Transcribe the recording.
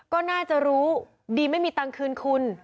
ก็น่าจะรู้ดีไม่มีตังค์คืนคุณ